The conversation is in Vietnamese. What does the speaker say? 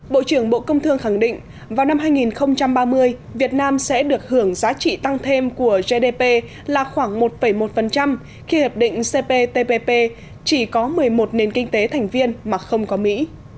bộ trưởng bộ công thương khẳng định vào năm hai nghìn ba mươi việt nam sẽ được hưởng giá trị tăng thêm của gdp là khoảng một một khi hiệp định cptpp chỉ có một mươi một nền kinh tế thành viên mà không có mỹ